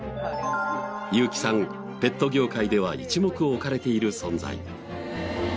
ユーキさんペット業界では一目置かれている存在。